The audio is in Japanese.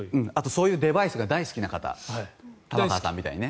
そういうデバイスが大好きな方玉川さんみたいに。